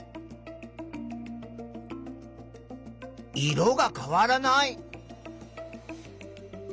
色が変わらない。